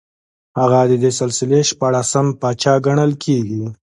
هغه د دې سلسلې شپاړسم پاچا ګڼل کېږي